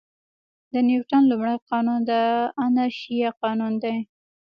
د نیوټن لومړی قانون د انرشیا قانون دی.